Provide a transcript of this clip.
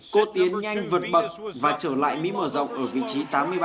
cô tiến nhanh vượt bậc và trở lại mỹ mở rộng ở vị trí tám mươi ba